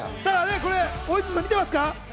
大泉さん、見てますか？